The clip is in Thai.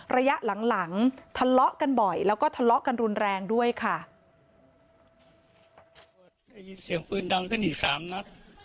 ระยะหลังหลังทะเลาะกันบ่อยแล้วก็ทะเลาะกันรุนแรงด้วยค่ะ